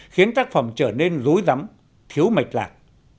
khiến tác phẩm trở nên dối rắm thiếu mạch lạc